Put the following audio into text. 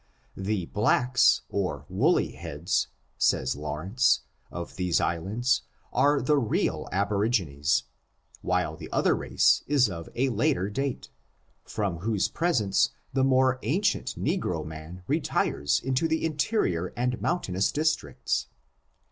The blacks, or woolly heads, says Lawrence, of these islands are the real aborigines, while the other race is of a later date, from whose presence the more ancient negro man retires into the interior and moun« tainous districts.